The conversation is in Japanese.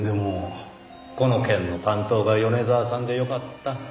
この件の担当が米沢さんでよかった。